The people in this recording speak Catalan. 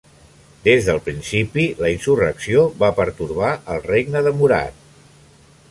Des del principi, la insurrecció va pertorbar el regne de Murat.